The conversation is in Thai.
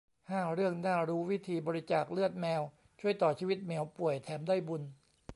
ห้า เรื่องน่ารู้วิธีบริจาคเลือดแมว ช่วยต่อชีวิตเหมียวป่วย แถมได้บุญ